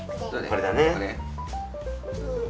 これだね。